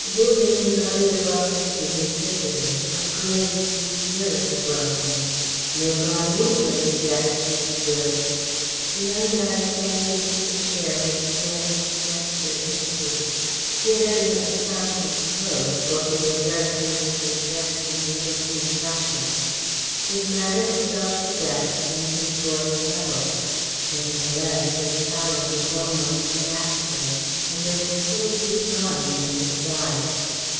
Wu Ling nodded a welcome to his visitor a grave, reserved welcome. "No gone England yet," he observed. The young man sank into the chair which the other's gesture indicated. He had evidently found his clothes, for he was very correctly dressed in the European fashion. His manner was self possessed and his voice level. Nevertheless his pallor was almost ghastly and there were still blue lines under his eyes.